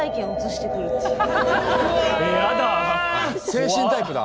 精神タイプだ。